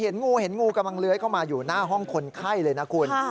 งูเห็นงูกำลังเลื้อยเข้ามาอยู่หน้าห้องคนไข้เลยนะคุณ